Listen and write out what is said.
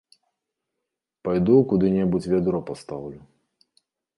Пайду куды-небудзь вядро пастаўлю.